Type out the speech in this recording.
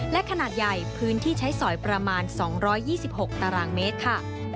และขนาดใหญ่พื้นที่ใช้สอยประมาณ๒๒๖ตารางเมตรค่ะ